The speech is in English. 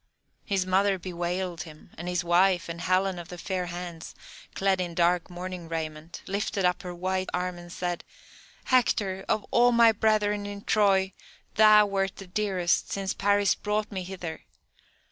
His mother bewailed him, and his wife, and Helen of the fair hands, clad in dark mourning raiment, lifted up her white arms, and said: "Hector, of all my brethren in Troy thou wert the dearest, since Paris brought me hither.